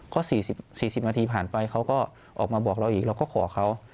ก็๔๐นาทีผ่านไปเขาก็ออกมาบอกเราอีกเราก็ขอเขา